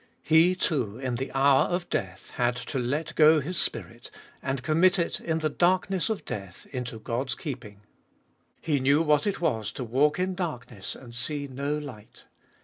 He, too, in the hour of death had to let go His spirit, and commit it, in the darkness of death, into God's keeping. He knew what it was to walk in darkness and see no light.